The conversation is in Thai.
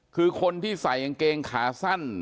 คือคนที่ใส่กางเกงขาสั้น